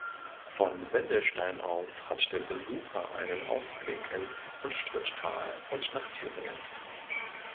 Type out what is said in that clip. Vom Wendelstein aus hat der Besucher einen Ausblick ins Unstruttal und nach Thüringen.